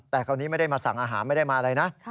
แต่คราวนี้ไม่ได้มาสั่งอาหารไม่ได้มาอะไรนะ